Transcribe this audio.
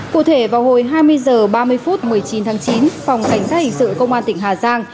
cụ thể vào hồi hai mươi h ba mươi phút một mươi chín tháng chín phòng cảnh sát hình sự công an tỉnh hà giang